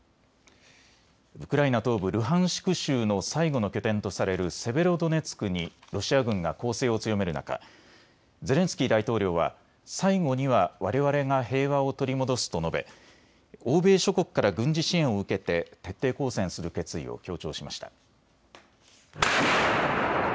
ウクライナ東部ルハンシク州の最後の拠点とされるセベロドネツクにロシア軍が攻勢を強める中、ゼレンスキー大統領は最後にはわれわれが平和を取り戻すと述べ欧米諸国から軍事支援を受けて徹底抗戦する決意を強調しました。